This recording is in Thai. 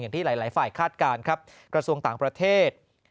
ที่หลายฝ่ายคาดการณ์ครับกระทรวงต่างประเทศ